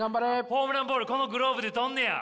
ホームランボールこのグローブで捕んねや。